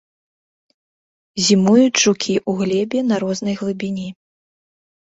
Зімуюць жукі ў глебе на рознай глыбіні.